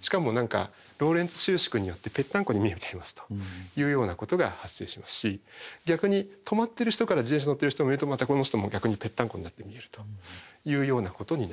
しかもローレンツ収縮によってぺったんこに見えちゃいますというようなことが発生しますし逆に止まってる人から自転車に乗ってる人を見るとまたこの人も逆にぺったんこになって見えるというようなことになると。